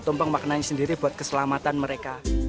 tumpeng maknanya sendiri buat keselamatan mereka